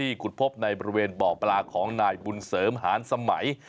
ขุดพบในบริเวณบ่อปลาของนายบุญเสริมหานสมัย